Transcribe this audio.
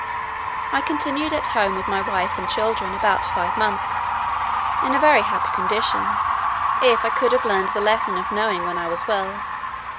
I continued at home with my wife and children about five months in a very happy condition, if I could have learned the lesson of knowing when I was well.